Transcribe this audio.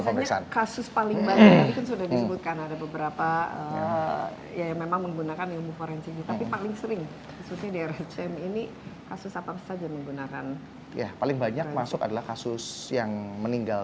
paling sering ini kasus apa saja menggunakan ya paling banyak masuk adalah kasus yang meninggal